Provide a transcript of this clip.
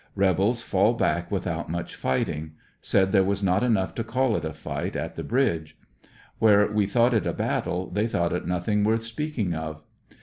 Eebels fall back without much fighting. Said there was not enough to call it a fight at the bridge. Where we thought it a battle, they thought it nothing worth speaking of.